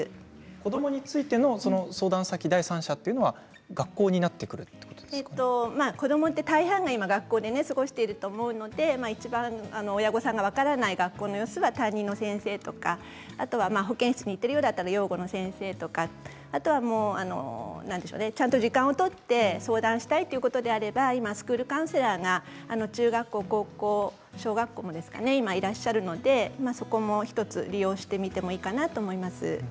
子どもについての相談先第三者というのは子どもは大半が学校で過ごしていると思うので親御さんが分からない学校の様子は、担任の先生とか保健室に行っているようだったら養護教諭の先生とかちゃんと時間を取って相談したいということであれば今、スクールカウンセラーが中学校、高校、小学校ですかねいらっしゃるので、そこを１つ利用してみてもいいかなと思います。